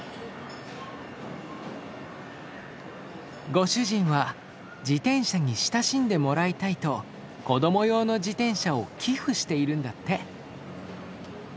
ご主人は自転車に親しんでもらいたいと子供用の自転車を寄付しているんだって。